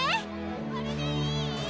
これでいい？